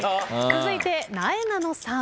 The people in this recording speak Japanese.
続いてなえなのさん。